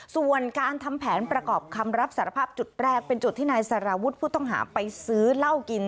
ส่วนการทำแผนประกอบคำรับสารภาพจุดแรกเป็นจุดที่นายสารวุฒิผู้ต้องหาไปซื้อเหล้ากิน